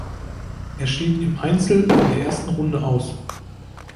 Er schied im Einzel in der ersten Runde aus.